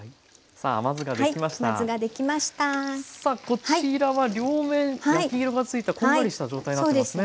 さあこちらは両面焼き色がついたこんがりした状態になってますね。